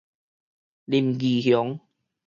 林義雄